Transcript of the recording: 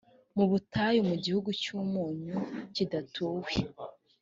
mu butayu mu gihugu cy’umunyu kidatuwe.